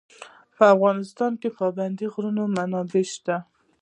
په افغانستان کې د پابندی غرونه منابع شته.